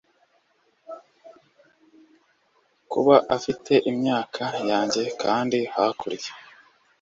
Kuba afite imyaka yanjye kandi hakurya